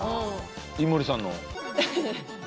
井森さんの。